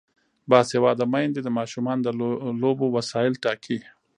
باسواده میندې د ماشومانو د لوبو وسایل ټاکي.